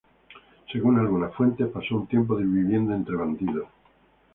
Según algunas fuentes, pasó un tiempo viviendo entre bandidos.